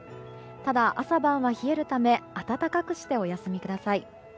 ただ、朝晩は冷えるため暖かくしてお休みください。